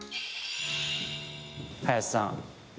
林さん。